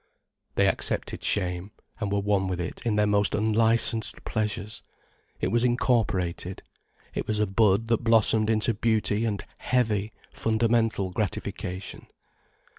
They accepted shame, and were one with it in their most unlicensed pleasures. It was incorporated. It was a bud that blossomed into beauty and heavy, fundamental gratification.